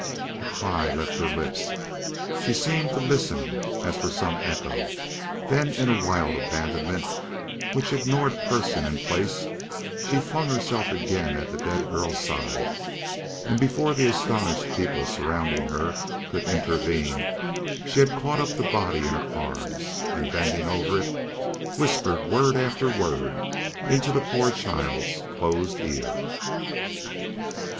A cry left her lips; she seemed to listen as for some echo; then in a wild abandonment which ignored person and place she flung herself again at the dead girl's side, and before the astonished people surrounding her could intervene, she had caught up the body in her arms, and bending over it, whispered word after word into the poor child's closed ear.